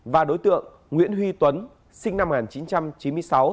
và đối tượng nguyễn huy tuấn sinh năm một nghìn chín trăm chín mươi sáu